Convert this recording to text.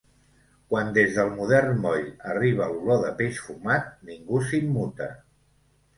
Quan des del modern moll arriba l'olor de peix fumat, ningú s'immuta.